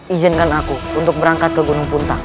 izinkan aku untuk berangkat ke gunung puntak